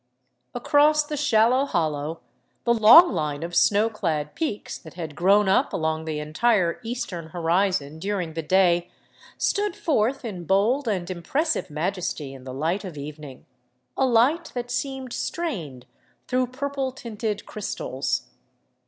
Across the shallow hollow the long line of snow clad peaks that had grown up along the entire eastern horizon during the day stood forth in bold and impressive majesty in the light of evening, a light that seemed strained through purple tinted crystals.